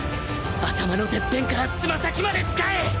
頭のてっぺんから爪先まで使え！